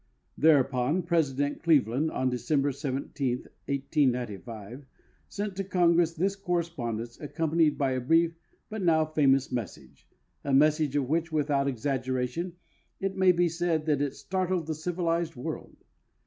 Thereupon President Cleveland, on December 17, ] 895, sent to Congress this correspondence, accompanied by a brief but now famous message — a message of which, without exaggeration, it may be said that it startled the civilized world.